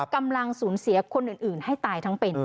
กำลังสูญเสียคนอื่นให้ตายทั้งเป็น